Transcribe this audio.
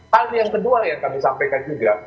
hal yang kedua yang kami sampaikan juga